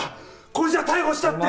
これじゃ逮捕したって。